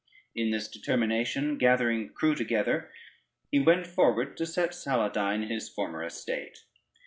In this determination, gathering a crew together, he went forward to set Saladyne in his former estate.